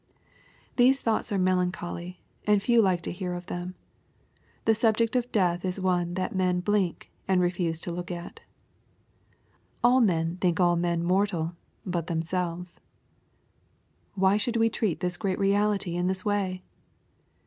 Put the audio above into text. These thoughts are melancholy, and few like to hear of them. The subject of death is one that men blink, and refuse to look at. ^^ All men think all men mortal but themselves/' But why should we treat this great reality in this way